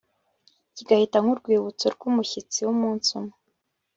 kigahita nk'urwibutso rw'umushyitsi w'umunsi umwe